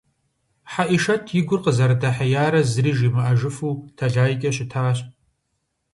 Хьэӏишэт и гур къызэрыдэхьеярэ зыри жимыӀэжыфу тэлайкӀэ щытащ.